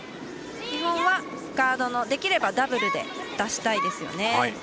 基本はガードのできればダブルで出したいですよね。